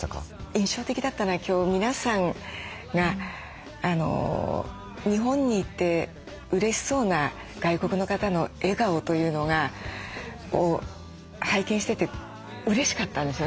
印象的だったのは今日皆さんが日本にいてうれしそうな外国の方の笑顔というのがを拝見しててうれしかったんですよね。